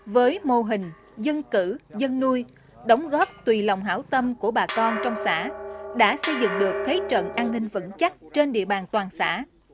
với mô hình dân cử dân nuôi đóng góp tùy lòng hảo tâm của bà con trong xã đã xây dựng được thế trận an ninh vững chắc trên địa bàn toàn xã